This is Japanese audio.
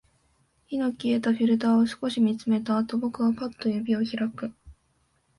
火の消えたフィルターを少し見つめたあと、僕はパッと指を開く